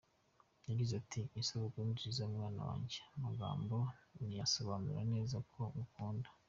Yagize ati”Isabukuru nziza mwana wanjye, amagambo ntiyasobanura neza uko ngukunda.